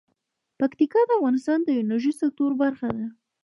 پکتیکا د افغانستان د انرژۍ سکتور برخه ده.